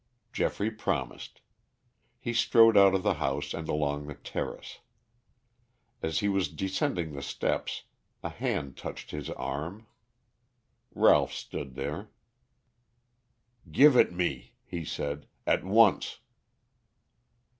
Geoffrey promised. He strode out of the house and along the terrace. As he was descending the steps, a hand touched his arm. Ralph stood there. "Give it me," he said, "at once."